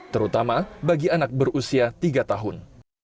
terutama bagi anak berusia tiga tahun